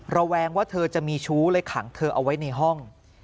ระแวงว่าเธอจะมีชู้เลยขังเธอเอาไว้ในห้อง